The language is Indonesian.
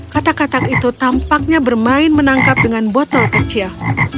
katak katak itu tampaknya bermain menangkap dengan botol kecil